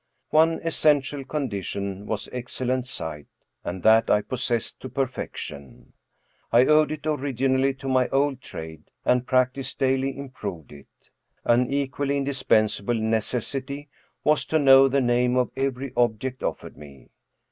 One essential condition was excellent sight, and that I possessed to perfection. I owed it originally to my old trade, and practice daily improved it. An equally indispensable necessity was to know the name of every object offered me.